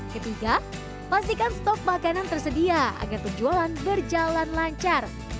ketiga pastikan stok makanan tersedia agar penjualan berjalan lancar